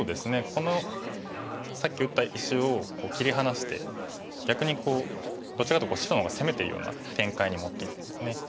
このさっき打った石を切り離して逆にどちらかというと白の方が攻めてるような展開に持っていったんですね。